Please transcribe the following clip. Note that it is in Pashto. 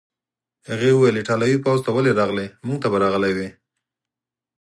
هغې وویل: ایټالوي پوځ ته ولې راغلې؟ موږ ته به راغلی وای.